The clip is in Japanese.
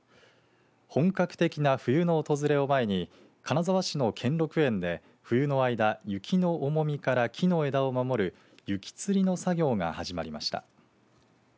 本格的な冬の訪れを前に金沢市の兼六園で冬の間雪の重みから木の枝を守る雪つりの作業が始まりました。